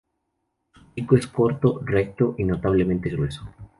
Su pico es corto, recto y notablemente grueso.